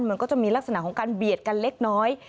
มันก็จะมีลักษณะของการเบียดกันเล็กน้อย